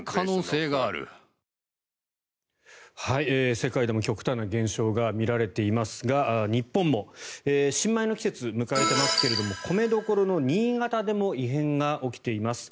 世界でも極端な現象が見られていますが日本も新米の季節を迎えていますが米どころの新潟でも異変が起きています。